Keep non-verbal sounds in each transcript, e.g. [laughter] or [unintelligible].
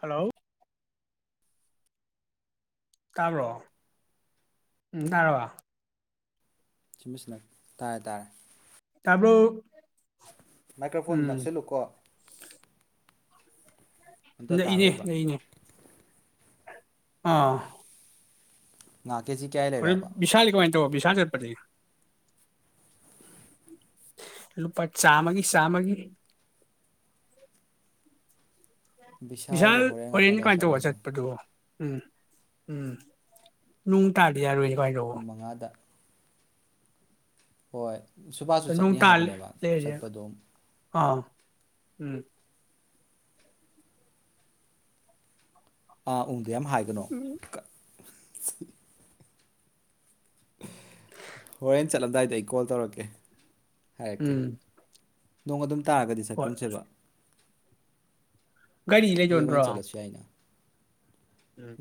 Hello ꯇꯥꯕ꯭ꯔꯣ ꯎꯝ ꯇꯥꯔꯕ ꯇꯥꯏ ꯇꯥꯔꯦ ꯇꯥꯕ꯭ꯔꯣ ꯃꯥꯏꯀ꯭ꯔꯣꯐꯣꯟ ꯎꯝ ꯅꯛꯁꯤꯜꯂꯨꯀꯣ ꯑꯝꯇ ꯅꯛꯏꯅꯦ ꯇꯥꯔꯣꯏꯕ ꯅꯛꯏꯅꯦ ꯑꯥ ꯉꯥꯛ ꯀꯦꯖꯤ ꯀꯌꯥꯏ ꯂꯩꯔꯕ ꯇꯣ ꯚꯤꯁꯥꯜ ꯆꯠꯄꯇꯤ ꯂꯨꯄꯥ ꯆꯥꯝꯃꯒꯤ ꯆꯥꯝꯃꯒꯤ ꯕꯤꯚꯤꯁꯥꯜꯗꯣ ꯕꯤꯚꯤꯁꯥꯜ ꯍꯣꯔꯦꯟ ꯉꯥꯛꯇꯪ ꯂꯩꯔ ꯀꯃꯥꯏ ꯇꯧꯕ ꯆꯠꯂꯣꯗꯣ ꯆꯠꯄꯗꯣ ꯎꯝ ꯎꯝ ꯂꯨꯡ ꯇꯥꯔꯗꯤ ꯌꯥꯔꯣꯏꯌꯦ ꯄꯨꯡ ꯃꯉꯥꯗ ꯍꯣꯏ ꯁꯨꯕꯥꯁꯁꯨ ꯅꯣꯡ ꯆꯠꯅꯤ ꯇꯥ ꯍꯥꯏꯕꯅꯦꯕ ꯂꯩꯔꯗꯤ ꯆꯠꯄꯗꯣ ꯑꯥ ꯎꯝ ꯑꯥ ꯎꯝ ꯑꯗꯨꯌꯥꯝ ꯍꯥꯏꯒꯅꯣ [unintelligible] ꯍꯣꯔꯦꯟ ꯆꯠꯂꯝꯗꯥꯏꯗ ꯑꯩ ꯀꯣꯜ ꯇꯧꯔꯛꯀꯦ ꯍꯥꯏꯀꯦ ꯎꯝ ꯅꯣꯡ ꯑꯗꯨꯝ ꯇꯥꯔꯒꯗꯤ ꯍꯣꯏ ꯆꯠꯀꯨꯝꯁꯦꯕ ꯀꯔꯤ ꯂꯩꯗꯣꯟꯕ꯭ꯔꯣ ꯆꯠꯂꯁꯨ ꯌꯥꯏꯅ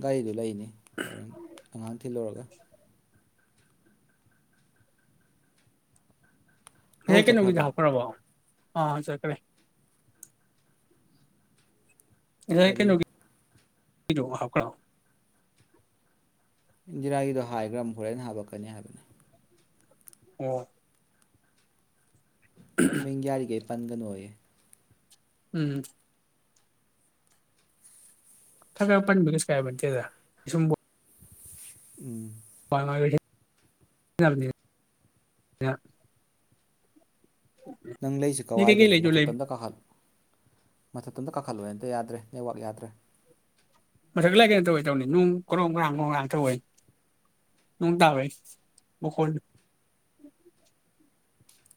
ꯒꯥꯔꯤꯗꯨ ꯂꯩꯅꯤ ꯍꯣꯔꯦꯟ ꯑꯉꯥꯡ ꯊꯤꯜꯂꯨꯔꯒ ꯂꯧ ꯍꯦꯛ ꯀꯩꯅꯣꯒꯤꯗꯤ ꯆꯠꯈ꯭ꯔꯕ ꯍꯥꯞꯈ꯭ꯔꯕꯣ ꯑ ꯆꯠꯀ꯭ꯔꯦ ꯌꯥꯏ ꯀꯔꯤ ꯀꯩꯅꯣꯒꯤ [unintelligible] ꯍꯥꯄ꯭ꯔ ꯏꯟꯗꯤꯔꯥꯒꯤꯗꯣ ꯍꯥꯏꯒ꯭ꯔꯝꯅꯤ ꯃꯨꯛ ꯍꯣꯔꯦꯟ ꯍꯥꯄꯛꯀꯅꯤ ꯍꯥꯏꯕꯅꯤ ꯑꯣ ꯃꯤꯡ ꯌꯥꯔꯤꯒꯩ ꯄꯟꯒꯅꯣꯌꯦ ꯎꯝ ꯈ꯭ꯔ ꯈꯢꯔ ꯄꯟꯕꯗꯥ ꯀꯩꯁꯨ ꯀꯥꯏꯕꯇꯦꯗ ꯁꯨꯝ ꯎꯝ [unintelligible] ꯅꯪ ꯂꯩꯁꯤ ꯅꯣꯏ ꯀꯩꯀꯩ ꯀꯋꯥꯏꯗꯅꯣ ꯂꯩꯗꯣꯏ ꯂꯩꯕ ꯃꯊꯛꯇ ꯀꯥꯈꯜꯂꯨ ꯑꯝꯇ ꯀꯥꯈꯠꯂꯨ ꯑꯝꯇ ꯌꯥꯗ꯭ꯔꯦ ꯅꯦꯋꯥꯛ ꯌꯥꯗ꯭ꯔꯦ ꯃꯊꯛꯇꯂꯩ ꯀꯩꯅꯣ ꯇꯧꯋꯦ ꯇꯧꯅꯤ ꯅꯣꯡ ꯀ꯭ꯔꯣꯡ ꯀ꯭ꯔꯥꯡ ꯀꯣꯡ ꯉꯥꯡ ꯇꯧꯏ ꯅꯣꯡ ꯇꯥꯕꯩ ꯃꯈꯣꯟ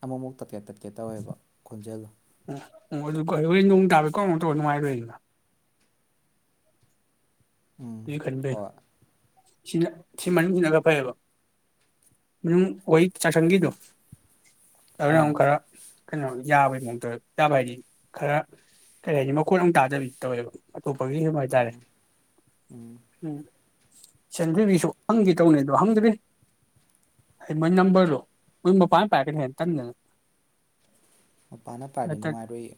ꯑꯃꯃꯨꯛ ꯇꯠꯀꯦ ꯇꯠꯀꯦ ꯇꯧꯋꯦꯕ ꯈꯣꯟꯖꯦꯜꯗꯣ ꯑꯣ ꯑꯗꯨ ꯅꯣꯡ ꯇꯥꯕꯦ ꯀꯣ ꯇꯧ ꯅꯨꯡꯉꯥꯏꯔꯣꯏ ꯎꯝ ꯑꯗꯨꯏ ꯈꯟꯕꯩꯅꯤ ꯍꯣꯏ ꯁꯤꯅ ꯁꯤ ꯃꯅꯨꯡꯁꯤꯅꯒ ꯐꯩꯌꯦꯕ ꯃꯅꯨꯡ ꯑꯣꯏ ꯆꯥꯛꯁꯪꯒꯤꯗꯣ ꯑꯗꯨꯔ ꯑꯥ ꯑꯃꯨꯛ ꯈꯔ ꯀꯩꯅꯣ ꯌꯥꯕꯒꯤ ꯃꯑꯣꯡꯗ ꯌꯥꯥꯕ ꯍꯥꯏꯗꯤ ꯈꯔ ꯀꯔꯤ ꯍꯥꯏꯅꯤ ꯃꯈꯣꯟ ꯑꯝ ꯇꯥꯗꯕꯤ ꯇꯧꯋꯦꯕ ꯑꯇꯣꯞꯄꯒꯤ ꯁꯨꯝ ꯍꯥꯏꯇꯥꯔꯦ ꯎꯝ ꯎꯝ ꯁꯦꯟꯗ꯭ꯔꯤꯒꯤꯁꯨ ꯍꯪꯒꯦ ꯇꯧꯅꯤ ꯑꯗꯣ ꯍꯪꯗ꯭ꯔꯤ ꯑꯩ ꯃꯣꯏ ꯅꯝꯕꯔꯗꯣ ꯃꯣꯏ ꯃꯄꯥꯟ ꯄꯥꯏꯔꯛꯒꯅꯤ ꯍꯦ ꯇꯟꯗꯅ ꯃꯄꯥꯅ ꯄꯥꯏꯔꯗꯤ ꯅꯠꯇ꯭ꯔ ꯅꯨꯡꯉꯥꯏꯔꯣꯏ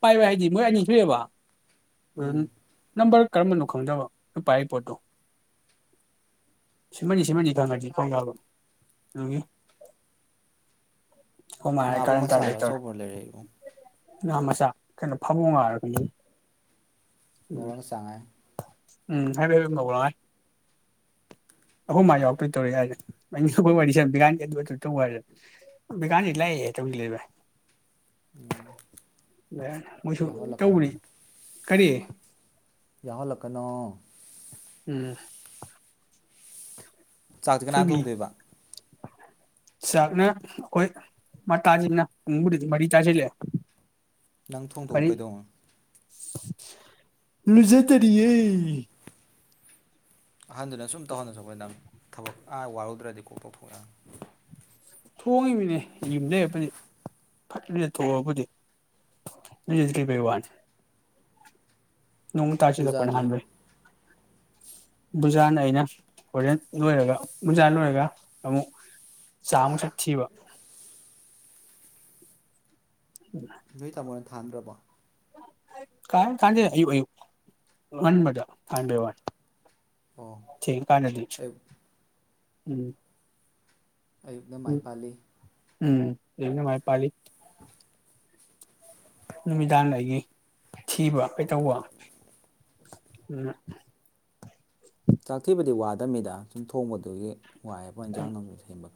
ꯄꯥꯏꯕ ꯍꯥꯏꯗꯤ ꯃꯣꯏ ꯑꯅꯤ ꯊꯣꯛꯑꯦꯕ ꯎꯝ ꯅꯝꯕꯔ ꯀꯔꯝꯕꯅꯣ ꯈꯪꯗꯕ ꯄꯥꯏ ꯄꯣꯠꯇꯣ ꯁꯤꯃꯅꯤ ꯁꯤꯃꯟꯅꯤ ꯈꯪꯉꯗꯤ ꯇꯧ ꯌꯥꯕ ꯑꯒꯤ ꯉꯥꯕꯨ ꯃꯆꯥꯔꯣ ꯑꯆꯧꯕꯅꯣ ꯂꯩꯔꯛꯏꯕꯣ ꯉꯥ ꯃꯆꯥ ꯀꯩꯅꯣ ꯐꯃꯣ ꯉꯥꯔꯒꯅꯤ ꯉꯧꯔꯒ ꯆꯥꯉꯥꯏ ꯎꯝ [unintelligible] ꯍ ꯑꯍꯨꯝ ꯃ ꯌꯥꯎꯛꯇꯣꯏ ꯗꯧꯔꯤ ꯍꯥꯏꯅꯦ ꯋꯥꯔꯤ [unintelligible] ꯕꯤ [unintelligible] ꯇꯧꯕ [unintelligible] ꯍꯥꯏꯔ [unintelligible] ꯕꯤ [unintelligible] ꯂꯥꯛꯑꯦꯦ [unintelligible] ꯇꯧꯗꯤ [unintelligible] ꯂꯩꯕ [unintelligible] ꯃꯣꯏꯁꯨ ꯌꯥꯎꯍꯜꯂꯛꯀꯅꯨ ꯇꯧꯕꯅꯤ ꯀꯔꯤ ꯌꯥꯎꯍꯜꯂꯛꯀꯅꯣ ꯎꯝ ꯆꯥꯛꯇꯤ ꯀꯅꯥꯅ ꯊꯣꯡꯗꯣꯏꯕ ꯆꯥꯀꯅꯥ ꯑꯈꯣꯌ ꯃꯇꯥꯖꯤꯅꯥ ꯄꯨꯪꯕꯨꯗꯤ ꯃꯔꯤ ꯇꯥꯖꯤꯂꯛ ꯂꯦ ꯅꯪ ꯊꯣꯡꯗꯣꯛꯎ [unintelligible] ꯀꯩꯗꯧꯉꯣ ꯂꯨꯖꯥꯇꯔꯤꯌꯦ ꯑꯍꯟꯗꯨꯅ ꯁꯨꯝ ꯇꯧꯍꯜꯂꯁꯨ ꯑꯩꯈꯣꯏ ꯅꯪ ꯊꯕꯛ ꯑꯥ ꯋꯥꯔꯨꯗ꯭ꯔꯗꯤ ꯀꯣꯛ ꯇꯧꯊꯣꯛꯑꯦ ꯅꯪ ꯊꯣꯡꯉꯤꯃꯤꯅꯦ ꯌꯨꯝꯗ ꯂꯩꯔꯕꯨꯗꯤ ꯐꯠ ꯂꯨꯖꯊꯣꯀꯅꯨꯗꯤ ꯂꯨꯖꯗꯔꯤꯕꯩ ꯋꯥꯅꯤ ꯅꯣꯡ ꯇꯥꯆꯦꯗꯄꯅꯦ ꯕꯨꯖꯥꯗꯤ ꯍꯥꯟꯕꯤꯏ ꯕꯨꯖꯥꯅ ꯑꯩꯅ ꯍꯣꯔꯦꯟ ꯂꯣꯏꯔꯒ ꯕꯨꯖꯥ ꯂꯣꯏꯔꯒ ꯑꯃꯨꯛ ꯆꯥꯛ ꯑꯃꯨꯛ ꯁꯛ ꯊꯤꯕ ꯅꯣꯏ ꯇꯥꯃꯣ [unintelligible] ꯊꯥꯗ꯭ꯔꯕ ꯀꯥꯏ ꯀꯥꯟꯗ ꯑꯌꯨꯛ ꯑꯌꯨꯛ ꯉꯟꯕꯗꯥ ꯀꯅꯕꯦ ꯋꯥꯅꯤ ꯑꯣ ꯊꯦꯡ ꯀꯟꯗꯗꯤ ꯑꯌꯨꯛ ꯎꯝ ꯑꯌꯨꯛꯅ ꯃꯥꯏ ꯄꯥꯜꯂꯤ ꯎꯝ ꯑꯌꯨꯛꯅ ꯃꯥꯏ ꯄꯂꯤ [inaudible] ꯅꯨꯃꯤꯗꯥꯡ ꯑꯩꯒꯤ ꯊꯤꯕ ꯀꯩꯇꯧꯕ ꯑꯗꯨ [unintelligible] ꯆꯥꯛ ꯊꯤꯕꯗꯤ ꯋꯥꯗꯝꯅꯤꯗ ꯁꯨꯝ ꯊꯣꯡꯕꯗꯨꯒꯤ꯫ ꯋꯥꯏꯑꯕ ꯏꯟꯖꯥꯡ [unintelligible] ꯁꯦꯝꯕꯥ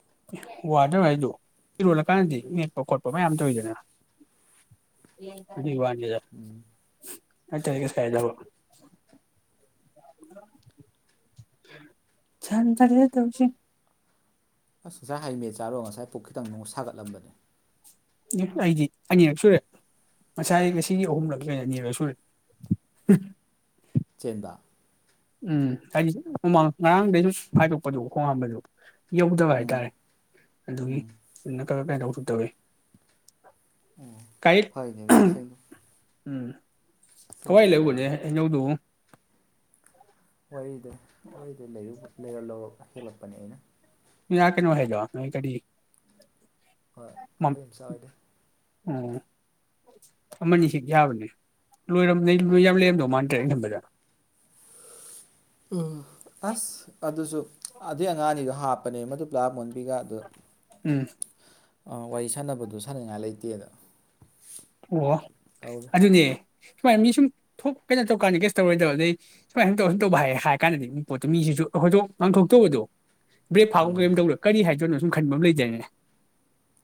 [unintelligible] [inaudible] [inaudible] ꯑꯁ ꯉꯁꯥꯏ [unintelligible] [inaudible] ꯆꯦꯟꯕ ꯎꯝ [unintelligible] ꯍꯥꯏꯗꯤꯃꯥꯡ ꯉꯔꯥꯡꯗꯩ ꯁꯨꯝ ꯍꯥꯏꯗꯣꯛꯄꯗꯨꯣ ꯈꯣꯡ ꯍꯥꯝꯕꯗꯨ ꯌꯧꯗꯕ ꯎꯝ ꯍꯥꯏꯇꯥꯔꯦ ꯑꯗꯨꯒꯤ ꯎꯝ [unintelligible] [unintelligible] ꯀꯥꯏ [unintelligible] ꯎꯝ ꯀꯋꯥꯏ [unintelligible] ꯁꯦꯡꯗꯣꯛꯈ꯭ꯔꯦ ꯂꯦꯕꯅꯦ ꯑꯗꯨꯗꯤ [unintelligible] ꯍꯩꯅꯧꯗꯨꯕꯨ ꯋꯥꯔꯤꯗꯣ [unintelligible] ꯍꯦꯂꯛꯄꯅꯦ ꯑꯩꯅ ꯌꯥ ꯀꯩꯅꯣ ꯍꯥꯏꯗꯣ ꯅꯣꯏ ꯀꯔꯤ ꯍꯣꯏ ꯑꯩꯈꯣꯏ ꯑꯝꯆꯥ ꯑꯣꯏꯗ ꯎꯝ ꯑꯃꯅꯤ ꯁꯤ ꯌꯥꯕꯅꯦ ꯂꯣꯏꯔꯝ ꯂꯣꯏ ꯌꯥꯝ ꯂꯩꯔꯝꯗꯧ ꯃꯥꯟꯗꯔꯦ ꯑꯩꯅ ꯈꯟꯕꯗ꯫ ꯎꯝ ꯑꯁ ꯑꯗꯨꯁꯨ ꯑꯗꯨꯏ ꯑꯉꯥꯡꯑꯅꯤꯗꯣ ꯍꯥꯞ ꯄꯅꯦ ꯑꯃꯗꯨ ꯒꯃꯣꯟꯕꯤꯒ ꯑꯗꯣ ꯎꯝ ꯑ ꯋꯥꯔꯤ ꯁꯥꯟꯅꯕꯗꯨ ꯁꯥꯟꯅꯉꯥꯏ ꯂꯩꯇꯦꯗ ꯑꯣ ꯑꯗꯨꯅꯦ ꯁꯨꯃꯥꯏꯅ ꯃꯤ ꯁꯨꯝ ꯊꯣꯛ ꯀꯩꯅꯣ ꯇꯧꯀꯥꯟꯗꯗꯤ ꯀꯩꯁ ꯇꯧꯔꯣꯏꯗꯕ ꯑꯗꯩ ꯁꯨꯃꯥꯏ ꯁꯨꯝ ꯇꯧ ꯁꯨꯝ ꯇꯧꯕ ꯍꯥꯏ ꯍꯥꯏ ꯀꯥꯟꯗꯗꯤ ꯄꯣꯠꯇꯣ ꯃꯤꯁꯤꯁꯨ ꯑꯩꯈꯣꯏꯗꯣꯛ ꯉꯥꯡꯊꯣꯛꯇꯧꯕꯗꯣ ꯕ꯭ꯔꯦꯛ ꯐꯥꯎꯒꯝ ꯎꯝ ꯀꯩꯒꯝ ꯇꯧꯗ ꯀꯔꯤ ꯍꯥꯏꯕꯅꯣ ꯈꯟꯕ ꯑꯃ ꯂꯩꯗꯥꯏꯅꯦ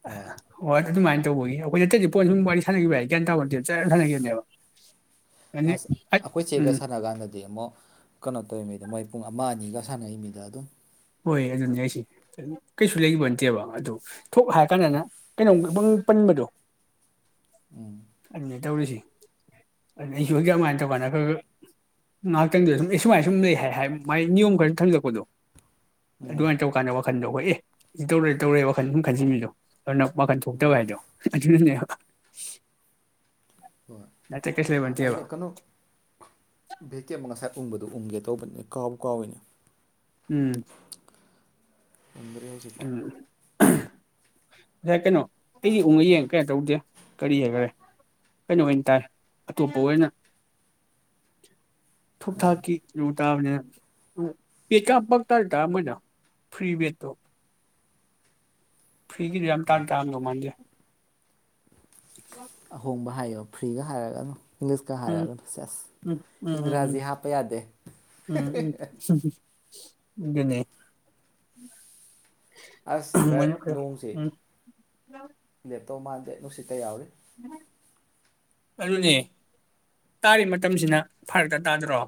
ꯍꯣꯌ ꯍꯣꯏ ꯑꯗꯨꯃꯥꯏꯅ ꯇꯧꯕꯒꯤ ꯑꯩꯈꯣꯏ ꯅꯠꯇꯗꯤ ꯄꯣꯠ ꯁꯨꯝ ꯋꯥꯔꯤ ꯁꯅꯈꯤꯕ ꯒ꯭ ꯌꯥꯟ ꯇꯥꯕꯣꯟꯇꯦ ꯖꯔ ꯑꯗꯨꯝ ꯁꯥꯅ ꯒꯤꯕꯅꯦꯕ ꯑꯁ ꯑꯩꯈꯣꯏ ꯆꯦꯒ ꯁꯥꯟꯅ ꯀꯥꯟꯗꯗꯤ ꯑꯃꯨꯛ ꯀꯩꯅꯣ ꯇꯧꯔꯤꯃꯤꯗ ꯃꯣꯏ ꯄꯨꯡ ꯑꯃ ꯑꯅꯤꯒ ꯁꯥꯟꯅꯩ ꯃꯤꯗ ꯑꯗꯨꯝ ꯍꯣꯏ ꯑꯗꯨꯅꯤ ꯍꯥꯏꯁꯦ ꯀꯩꯁꯨ ꯂꯩꯕ ꯅꯠꯇꯦꯕ ꯑꯗꯨ ꯊꯣꯛ ꯍꯥꯏꯀꯗꯥꯅ ꯀꯩꯅꯣꯝ ꯄꯪ ꯄꯟꯕꯗꯣ ꯎꯝ ꯑꯗꯨꯅꯦ ꯇꯧꯔꯤꯁꯦ ꯑꯗꯨ ꯑꯩꯁꯨ ꯍꯧꯖꯤꯛ ꯑꯗꯨꯃꯥꯏꯅ ꯇꯧꯀꯥꯟꯗ ꯈꯔ ꯈꯔ ꯉꯥꯏꯍꯥꯛꯇꯪꯗꯨꯗ ꯁꯨꯝ ꯑꯩ ꯁꯨꯃꯥꯏꯅ ꯁꯨꯝ ꯂꯩ ꯍꯥꯏ ꯃꯥꯏ ꯅꯤꯌꯣꯝ ꯈꯔꯁꯨ ꯊꯝꯂꯛꯄꯗꯣ ꯎꯝ ꯑꯗꯨꯃꯥꯏ ꯇꯧꯀꯥꯟꯗ ꯈꯟꯗꯣ ꯑꯩꯈꯣꯏ ꯑꯦ ꯁꯤ ꯇꯧꯔꯦ ꯇꯧꯔꯦ ꯋꯥꯈꯜ ꯁꯝ ꯈꯟꯁꯤꯟꯕꯤꯗꯣ ꯑꯗꯨ ꯅ ꯋꯥꯈꯟ ꯊꯣꯛꯇꯕ ꯎꯝ ꯍꯥꯏꯗꯣ ꯑꯗꯨꯅꯅꯦ [inaudible] ꯍꯣꯏ ꯃꯥ ꯑꯩ ꯀꯩꯅꯣ ꯗꯦ ꯀꯦ ꯑꯃ ꯉꯥꯁꯥꯏ ꯎꯪꯕꯗꯣ ꯎꯪꯒꯦ ꯇꯧꯕꯅꯦ ꯀꯥꯎꯕꯨ ꯀꯥꯎꯏꯅꯦ ꯎꯝ ꯎꯪꯗꯔꯦ ꯍꯧꯖꯤꯛꯐꯥꯎ ꯑ ꯉꯁꯥꯏ ꯀꯩꯅꯣ ꯑꯩꯒꯤ ꯎꯡꯉꯥ ꯌꯦꯡ ꯀꯩꯅꯣ ꯇꯧꯗꯦ ꯀꯔꯤ ꯍꯥꯏꯈꯔꯦ ꯀꯩꯅꯣ ꯑꯣꯏꯅ ꯇꯥꯏ ꯑꯇꯣꯞꯄ ꯑꯣꯏꯅ ꯊꯨꯛ ꯊꯥꯛꯀꯤ ꯇꯥꯕꯅꯦ ꯄꯕꯦꯠ ꯀ ꯄ ꯇꯥꯕꯇꯥ ꯃꯣꯏꯅ ꯐ꯭ꯔꯤ ꯕꯦꯠ ꯇꯣ ꯐꯤꯒꯤꯗꯤ ꯌꯥꯝ ꯇꯥꯟ ꯍꯣꯏ ꯇꯥꯡꯉꯝꯗꯧ ꯃꯥꯟꯗꯦ ꯑꯍꯣꯡꯕ ꯍꯥꯏꯌ ꯑꯗꯣ ꯐ꯭ꯔꯤꯒ ꯍꯥꯏꯔꯛꯑꯅꯨ ꯏꯪꯂꯤꯁꯀ ꯎꯝ ꯍꯥꯏꯔꯛꯑꯅꯨꯗ ꯁꯦꯁ ꯎꯝ ꯎꯝ ꯎꯝ ꯏꯪꯒ꯭ꯔꯥꯖꯤ ꯍꯥꯞꯄ ꯌꯥꯗꯦ ꯏꯗꯅꯦ ꯑꯁ ꯁꯪꯀꯔ ꯅꯣꯡꯁꯦ ꯂꯦꯞ ꯇꯧ ꯃꯥꯥꯟꯗꯦ ꯅꯨꯡꯁꯤꯠꯀ ꯌꯥꯎꯔꯦ ꯑꯗꯨꯅꯦ ꯇꯥꯔꯤ ꯃꯇꯝꯁꯤꯅ ꯐꯔꯛꯇ ꯇꯥꯗ꯭ꯔꯣ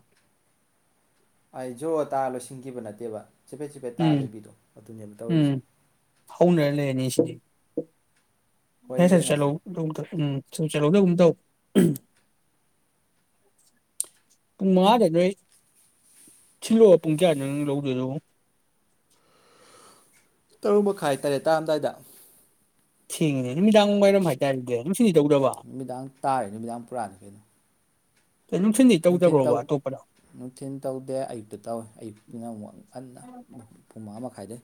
ꯑꯩ ꯖꯣ ꯇꯥꯔ ꯂꯣꯏꯁꯤꯟꯈꯤꯕ ꯅꯠꯇꯦꯕ ꯆꯤꯐꯦꯠ ꯆꯤꯐꯦꯠ ꯇꯥ ꯎꯝ ꯂꯩꯕꯤꯗꯣ ꯑꯗꯨꯅꯦꯕ ꯎꯝ ꯇꯧꯔꯤꯁꯦ ꯍꯧꯅꯔ [unintelligible] ꯍꯣꯏ ꯍꯦꯁꯦ ꯌꯦꯡꯉꯁꯦ ꯆꯦꯂꯧꯗꯧꯗ ꯎꯝ ꯁꯨꯝ ꯆꯠꯍꯧꯗꯒꯨꯝ ꯇꯧ ꯄꯨꯡ ꯃꯉꯥꯗ ꯅꯣꯏ ꯁꯤꯜꯂꯛꯑꯣ ꯄꯨꯡ ꯀꯌꯥꯗꯅꯣ ꯅꯪ ꯂꯧꯗꯣꯏꯗꯣ ꯇꯔꯨꯛ ꯃꯈꯥꯏ ꯇꯔꯦꯠ ꯇꯥꯔꯝꯗꯥꯏꯗ ꯊꯦꯡꯉꯦꯅꯦ ꯅꯨꯃꯤꯗꯥꯡ ꯋꯥꯏꯔꯝ ꯍꯥꯏꯗꯥꯏꯗꯦ ꯅꯨꯃꯤꯗꯥꯡ ꯇꯥꯔꯤ ꯅꯨꯃꯤꯗꯥꯡ ꯄꯨꯔꯥꯅꯤ ꯀꯩꯅꯣ ꯅꯨꯡꯊꯤꯟꯗꯤ ꯅꯨꯡꯊꯤꯜ ꯇꯧꯗꯕ꯭ꯔꯣꯕ ꯇꯧ ꯑꯇꯣꯞꯄꯗ ꯅꯨꯡꯊꯤꯜ ꯇꯧꯗꯦ ꯑꯌꯨꯛꯇ ꯇꯧꯏ ꯑꯌꯨꯛꯇꯅ ꯑꯃꯨꯛ ꯉꯟꯅ ꯄꯨꯡ ꯃꯉꯥ ꯃꯈꯥꯏꯗꯩ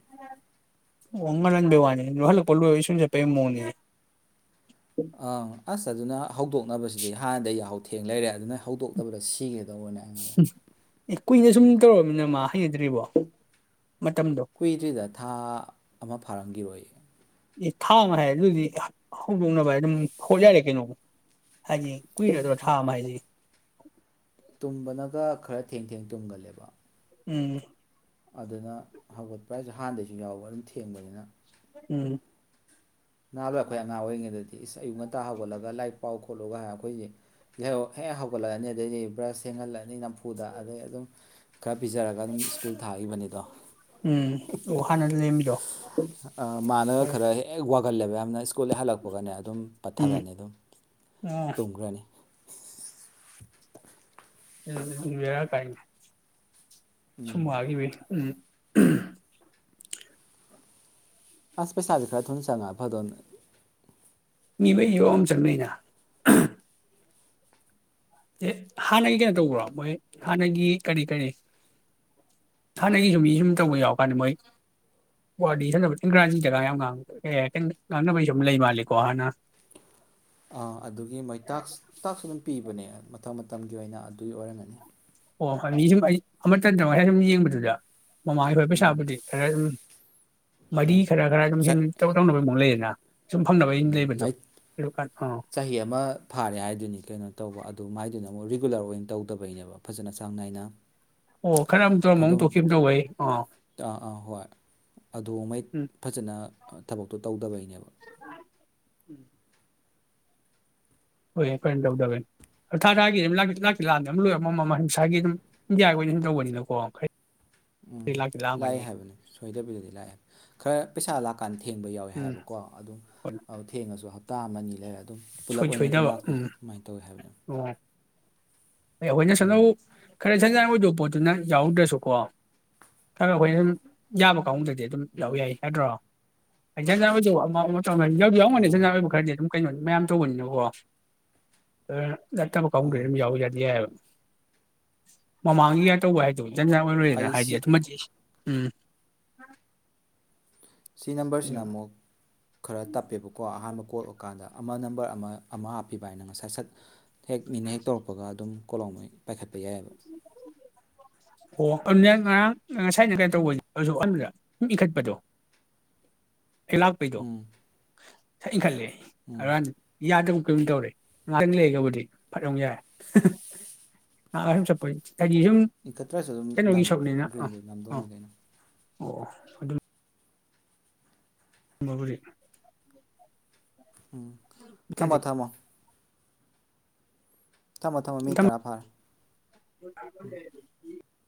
[unintelligible] ꯑ ꯑꯁ ꯑꯗꯨꯅ ꯍꯧꯗꯣꯛꯅꯕꯁꯤꯗꯤ ꯍꯥꯟꯅꯗ ꯌꯥꯍꯧ ꯊꯦꯡ ꯂꯩꯔꯦ ꯑꯗꯨꯅ ꯍꯧꯗꯣꯛꯅꯕꯗ ꯁꯤꯒꯦ ꯂꯧ ꯑꯣꯏꯅ ꯑꯩꯉꯥꯏ ꯏ ꯀꯨꯏꯅ ꯁꯨꯝ ꯇꯧꯔꯕꯃꯤꯅ ꯃꯥ ꯍꯩꯩꯅꯗ꯭ꯔꯤꯕꯣ ꯀꯨꯏꯗ꯭ꯔꯤꯗ ꯊꯥ ꯑꯃ ꯐꯔꯝꯈꯤꯔꯣꯏ ꯊꯥ ꯑꯃ ꯍꯥꯏꯔꯦ ꯑꯗꯨꯗꯤ ꯍꯧꯗꯣꯛꯅꯕ ꯑꯗꯨꯝ ꯍꯣꯠꯅꯔꯦ ꯀꯩꯅꯣ ꯍꯥꯏꯗꯤ ꯀꯨꯏꯔꯗ꯭ꯔꯣ ꯊꯥ ꯑꯃ ꯍꯥꯏꯗꯤ [unintelligible] ꯇꯨꯝꯕꯅꯒ ꯈꯔ ꯊꯦꯡ ꯊꯦꯡ ꯇꯨꯝꯒꯜꯂꯦꯕ ꯎꯝ ꯑꯗꯨꯅ ꯍꯧꯒꯠꯄ ꯍꯥꯏꯖ ꯑꯍꯥꯟꯗꯩꯁꯨ ꯌꯥꯎꯕ ꯑꯗꯨꯝ ꯊꯦꯡꯕꯅꯤꯅ ꯎꯝ ꯅꯍꯥ ꯂꯣ ꯑꯩꯈꯣꯏ ꯑꯉꯥꯡ ꯑꯣꯏꯔꯤꯉꯩꯗꯗꯤ ꯏꯁ ꯑꯌꯨꯛ ꯉꯟꯇꯥ ꯍꯧꯒꯠꯂꯒ ꯂꯥꯏ ꯄꯥꯎ ꯈꯣꯠꯂꯨꯒ ꯍꯥꯏ ꯑꯩꯈꯣꯏꯒꯤ ꯌꯥꯍꯧ ꯍꯦꯛ ꯍꯧꯒꯠꯂꯛꯑꯅꯤ ꯑꯗꯗꯤ ꯕ꯭ꯔꯁ ꯁꯦꯡꯍꯜꯂꯅꯤ ꯅꯝꯐꯨ ꯅꯝꯐꯨꯗ ꯑꯗꯩ ꯑꯗꯨꯝ ꯈꯔ ꯄꯤꯖꯔꯒ ꯑꯗꯨꯝ ꯁ꯭ꯀꯨꯜ ꯊꯥꯈꯤꯕꯅꯤꯗꯣ ꯎꯝ ꯑꯣ ꯍꯥꯟꯅ ꯂꯦꯝꯕꯤꯗꯣ ꯃꯥꯅ ꯍꯣꯏ ꯈꯔ ꯍꯦꯛ ꯋꯥꯈ ꯈꯜꯂꯦꯕ ꯌꯥꯝꯅ ꯁ꯭ꯀꯨꯜ ꯍꯜꯂꯛꯄꯒꯅꯦ ꯑꯗꯨꯝ ꯎꯝ ꯄꯠꯊꯔꯅꯤ ꯑꯗꯨꯝ ꯑꯥ ꯇꯨꯝꯈ꯭ꯔꯅꯤ ꯑꯗꯨ ꯅꯦ ꯕꯦꯔꯀꯥꯏꯅꯦ ꯁꯨꯝ ꯎꯝ ꯋꯥꯈꯤꯕꯩ ꯎꯝ ꯎꯝ ꯑꯁ ꯄꯩꯁꯥꯁꯦ ꯈꯔ ꯊꯨꯅ ꯆꯪꯉꯛ ꯐꯗꯧꯅꯤ ꯃꯤꯃꯩꯗꯤ ꯌꯣꯝ ꯆꯪꯅꯩꯅ ꯍꯥꯟꯅꯒꯤ ꯀꯩꯅꯣ ꯇꯧꯕ꯭ꯔꯣ ꯃꯣꯏ ꯍꯥꯟꯅꯒꯤ ꯀꯔꯤ ꯀꯔꯤ ꯍꯥꯟꯅꯒꯤ ꯁꯨꯝ ꯃꯤ ꯁꯨꯝ ꯇꯧꯕ ꯌꯥꯎꯔꯀꯥꯟꯗ ꯃꯣꯏ ꯋꯥꯔꯤ ꯁꯅꯕ ꯏꯪꯒ꯭ꯔꯥꯟꯖꯤꯁꯤꯡ ꯖꯒꯥ ꯌꯥꯝ ꯉꯥꯡꯅꯕꯒꯤ ꯁꯨꯝ ꯂꯩ ꯃꯥꯜꯂꯤꯀꯣ ꯍꯥꯟꯅ ꯑꯥ ꯑꯗꯨꯒꯤ ꯃꫭꯏꯇꯥꯛꯇꯥꯛꯁꯨ ꯑꯗꯨꯝ ꯄꯤ ꯑꯗꯨꯒꯅꯦ ꯃꯪ ꯃꯇꯝꯒꯤ ꯑꯣꯏꯅ ꯑꯗꯨꯒꯤ ꯑꯣꯏꯔꯝꯒꯅꯤ ꯑꯣ ꯃꯤ ꯁꯨꯝ ꯑꯩ ꯑꯃꯠꯇꯗ ꯉꯁꯥꯏ ꯁꯨꯝ ꯌꯦꯡꯕꯗꯨꯗ ꯃꯃꯥ ꯍꯕꯣꯏ ꯎꯝ ꯄꯩꯁꯥꯕꯨꯗꯤ ꯈꯔ ꯑꯗꯨꯝ ꯃꯔꯤ ꯃꯣꯏ ꯈꯔ ꯈꯔ ꯑꯗꯨꯝ ꯍꯦꯟ ꯆꯠ ꯇꯧ ꯇꯧꯅꯕꯩꯃꯨꯛ ꯂꯩꯗꯅ ꯎꯝ ꯃꯥꯏ ꯑꯥ ꯆꯍꯤ ꯑꯃ ꯐꯥꯔꯦ ꯍꯥꯏꯗꯨꯅꯤ ꯀꯩꯅꯣ ꯇꯧꯕ ꯑꯗꯨ ꯃꯥꯏꯗꯨꯅꯣ ꯑꯃꯨꯛ ꯔꯤꯒꯨꯂꯔ ꯑꯣꯏꯅ ꯇꯧꯗꯕꯩꯅꯦꯕ ꯐꯖꯅ ꯆꯥꯡ ꯅꯥꯏꯅ ꯑꯣ ꯈꯔ ꯑꯃꯨꯛ ꯇꯧꯔꯝꯕ ꯑꯃꯨꯛ ꯑꯗꯨꯝ ꯇꯣꯛꯈꯤꯕ ꯑꯃ ꯇꯧꯕꯩ ꯑꯥ ꯑ ꯑꯥ ꯍꯣꯏ ꯑꯗꯨꯉꯩ ꯎꯝ ꯐꯖꯅ ꯊꯕꯛꯇꯣ ꯇꯧꯗꯕꯩꯅꯦꯕ [inaudible] ꯍꯣꯏ ꯍꯣꯏ ꯀꯩꯅꯅ ꯇꯧꯗꯕꯅꯤ ꯊꯥ ꯊꯥꯒꯤ ꯂꯥꯛꯇ ꯂꯥꯛꯥꯟꯗꯝ ꯂꯣꯏꯔꯃꯤꯡꯁꯥꯒꯤ ꯑꯗꯨꯝ ꯏꯟꯗꯤꯌꯥꯒꯤ ꯑꯣꯏꯅ ꯑꯗꯨꯨꯝ ꯇꯧꯕꯅꯤꯅꯀꯣ ꯎꯝ ꯂꯥꯛꯇꯤ ꯂꯥꯛꯑꯦ ꯂꯥꯛꯑꯝꯒꯅꯤ ꯍꯥꯏꯕꯅꯤ ꯁꯣꯏꯗꯕꯤꯗꯗꯤ ꯂꯥꯛꯑꯦꯕ ꯈꯔ ꯄꯁꯥꯂꯥꯛ ꯀꯥꯟꯗ ꯊꯦꯡꯕ ꯌꯥꯎꯋꯦ ꯎꯝ ꯍꯥꯏꯕꯀꯣ ꯑꯗꯨꯝ ꯍꯣꯏ ꯊꯦꯡꯉꯁꯨ [unintelligible] ꯑꯗꯨꯝ ꯄꯨꯂꯞ ꯑꯣꯏꯅ ꯑꯗꯨꯝ ꯂꯥꯛꯄꯤꯅꯣ ꯀꯃꯥꯏꯅ ꯇꯧꯋꯤ ꯍꯥꯏꯕꯅꯤ꯫ ꯍꯣꯏ ꯑꯩ ꯑꯩꯈꯣꯏꯅ ꯎꯝ ꯁꯥꯟꯅꯧ ꯈꯔ ꯁꯟꯖꯟ ꯑꯣꯏꯗꯣꯕ ꯄꯣꯠꯇꯨꯅ ꯌꯥꯎꯔꯗ꯭ꯔꯁꯨꯀꯣ ꯈꯔ ꯑꯩꯈꯣꯏꯅ ꯑꯗꯨꯝ ꯌꯥꯕ ꯗꯗꯤ ꯑꯗꯨꯝ ꯂ ꯎꯝ ꯌꯥꯏ ꯍꯥꯏꯗ꯭ꯔꯣ [unintelligible] ꯌꯥꯎ ꯌꯥꯎꯔꯝꯒꯅꯤ ꯑꯥ ꯖꯟꯖꯥꯟ ꯑꯣꯏꯕꯗꯤ ꯈ꯭ꯔ ꯑꯗꯨ꯫ ꯀꯩꯅꯣꯅꯤ ꯃꯌꯥꯝ ꯇꯧꯕꯅꯤꯅꯀꯣ ꯑꯥ [unintelligible] ꯌꯥ ꯃꯃꯥꯡꯒ ꯌꯥ ꯇ ꯋꯥꯏ ꯑꯩ ꯁꯤ [unintelligible] ꯎꯝ ꯁꯤ ꯅꯝꯕꯔꯁꯤꯅ ꯑꯃꯨꯛ ꯈꯔ ꯇꯞꯄꯦꯕꯀꯣ ꯑꯍꯥꯟꯕ ꯀꯣꯜ ꯑꫭꯛꯀꯥꯟꯗ ꯑ ꯑꯃ ꯅꯝꯕꯔ ꯑꯃ ꯑꯃ ꯍꯥꯞꯄꯤ ꯕꯥꯏꯅ ꯉꯁꯥꯏ ꯁꯠ ꯍꯦꯛ ꯃꯤꯅ ꯍꯦꯛ ꯇꯧꯔꯛꯄꯒ ꯑꯗꯨꯝ ꯀꯣꯛꯂꫭꯡꯃꯩ ꯄꯥꯏꯈꯠ [unintelligible] [unintelligible] ꯑꯣ ꯑꯗꯨꯗꯤ ꯉꯔꯥꯡ ꯉꯁꯥꯏꯗꯤ ꯀꯩꯅꯣ ꯇꯧꯕꯗ [unintelligible] ꯁꯨꯝ ꯏꯈꯠꯄꯗꯣ ꯑꯩꯂꯥꯛꯄꯩꯗꯣ ꯎꯝ ꯁꯛ ꯏꯟ ꯈꯠꯂꯦ [unintelligible] ꯎꯝ ꯑꯔꯥꯟ ꯌꯥꯗꯧ ꯀꯩꯝ ꯇꯧꯔ ꯉꯍꯥꯛꯇꯪ ꯂꯩꯒꯕꯨꯗꯤ ꯐꯠ ꯑꯃꯨꯛ ꯌꯥꯔꯦ ꯍ ꯍ ꯑꯥ ꯁꯨꯝ ꯆꯠꯄꯩ ꯏꯤꯡꯈꯠꯇ꯭ꯔꯁꯨ ꯑꯗꯨꯝ ꯅꯝ ꯑꯥ ꯒ꯭ꯔꯤꯟꯗꯤ ꯑꯥ ꯅꯝꯗꯣꯅꯤ ꯀꯩꯅꯣ [unintelligible] ꯃꯗꯨꯗꯤ ꯎꯝ ꯊꯝꯃꯣ ꯊꯝꯃꯣ ꯊꯝꯃꯣ ꯊꯝꯃꯣ ꯃꯤꯠ ꯊꯝ ꯇꯔꯥ ꯐꯥꯔꯦ ꯎꯝ